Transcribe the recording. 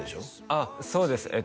ああそうです